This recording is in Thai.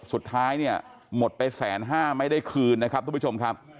สุดท้ายเนี่ยหมดไปแสนห้าไม่ได้คืนนะครับทุกผู้ชมครับ